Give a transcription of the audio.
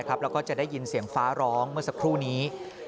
แล้วก็จะได้ยินเสียงฟ้าร้องเมื่อสักครู่นี้